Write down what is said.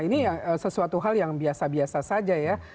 ini sesuatu hal yang biasa biasa saja ya